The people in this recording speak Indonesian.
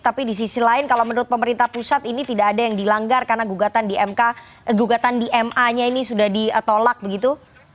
tapi di sisi lain kalau menurut pemerintah pusat ini tidak ada yang dilanggar karena gugatan di ma nya ini sudah ditolak begitu